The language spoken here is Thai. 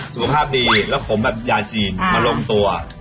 สุขภาพดีแล้วขมแบบยาจีนมาลงตัว